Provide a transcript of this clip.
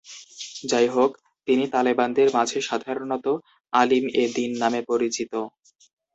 যাইহোক, তিনি তালেবানদের মাঝে সাধারণত "আলিম এ দীন" নামে পরিচিত।